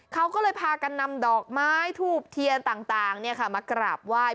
เขาก็เลยพากันนำดอกไม้ทูบเทียนต่างมากราบไหว้